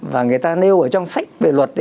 và người ta nêu trong sách về luật